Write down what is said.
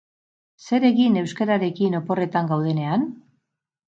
Zer egin euskararekin oporretan gaudenean?